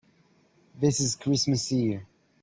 This is Christmas Eve.